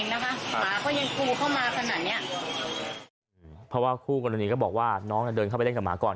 หมาเขายังกูเข้ามาขนาดเนี้ยเพราะว่าคู่กรณีก็บอกว่าน้องจะเดินเข้าไปเล่นกับหมาก่อน